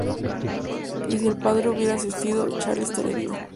Y si el padre hubiera asistido, Charlie estaría vivo.